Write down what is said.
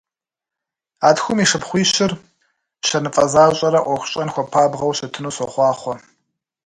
А тхум и шыпхъуищыр щэныфӀэ защӀэрэ Ӏуэху щӀэн хуэпабгъэу щытыну сохъуахъуэ!